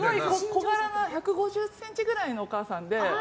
小柄な１５０ｃｍくらいのお母さんで。